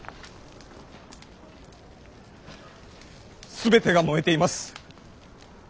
全てが燃えています。